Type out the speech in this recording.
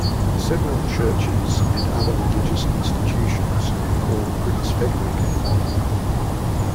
Several churches and other religious institutions call Prince Frederick home.